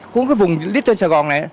cũng cái vùng lít trên sài gòn này